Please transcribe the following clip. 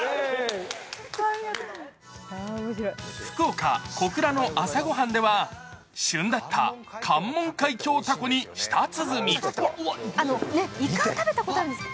福岡・小倉の朝ご飯では旬だった関門海峡たこに舌鼓。